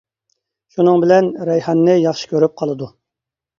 شۇنىڭ بىلەن رەيھاننى ياخشى كۆرۈپ قالىدۇ.